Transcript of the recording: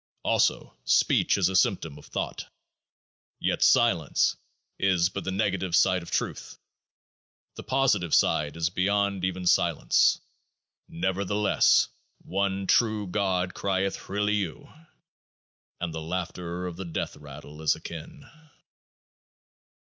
Also, Speech is a symptom of Thought. Yet, silence is but the negative side of Truth ; the positive side is beyond even silence. Nevertheless, One True God crieth hriliu ! And the laughter of the Death rattle is akin.